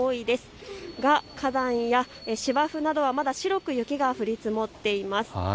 ですが花壇や芝生などは白く雪が降り積もっています。